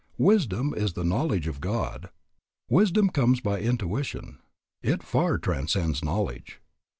"Wisdom is the knowledge of God." Wisdom comes by intuition. It far transcends knowledge.